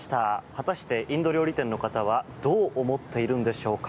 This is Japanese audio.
果たして、インド料理店の方はどう思っているんでしょうか。